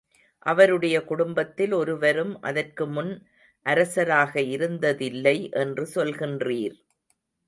அவருடைய குடும்பத்தில் ஒருவரும் அதற்கு முன் அரசராக இருந்ததில்லை என்று சொல்லுகின்றீர்.